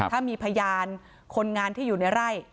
ถ้ามีพยานคนงานที่อยู่ในไร่